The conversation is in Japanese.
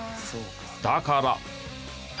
だから。